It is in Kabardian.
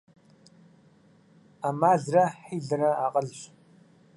Ӏэмалрэ хьилэрэ акъылщ.